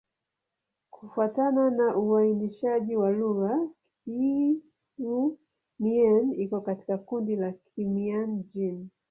Kufuatana na uainishaji wa lugha, Kiiu-Mien iko katika kundi la Kimian-Jin.